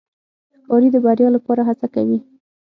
ښکاري د بریا لپاره هڅه کوي.